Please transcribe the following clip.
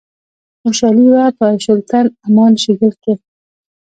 خوشحالي وه په شُلتن، امان شیګل کښي